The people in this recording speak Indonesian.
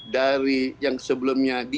dari yang sebelumnya diizinkan